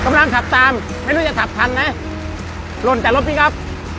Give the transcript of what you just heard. กำลังขับตามไม่รู้จะขับทันไหมหล่นแต่รถพี่ก๊อฟ